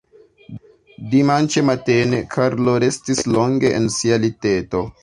Dimanĉe matene Karlo restis longe en sia liteto.